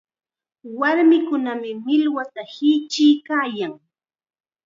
Warmikunam millwata hichiykaayan.